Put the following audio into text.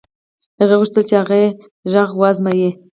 هغې غوښتل چې هغه يې غږ و ازمايي.